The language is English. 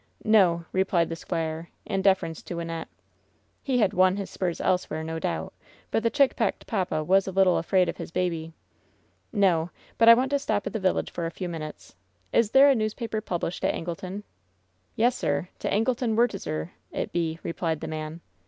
"No," replied the squire, in deference to Wynnette. He had "won his spurs elsewhere," no doubt, but the chickpecked papa was a little afraid of his baby. "No ; but I want to stop at the village for a few minutes. Is there a newspaper published at Angleton ?" "Yes, sir. T' Angleton 'Wertiser it be," replied the man.